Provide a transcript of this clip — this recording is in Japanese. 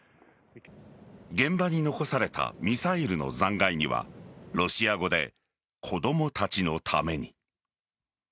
現場に残されたミサイルの残骸にはロシア語で子供たちのために。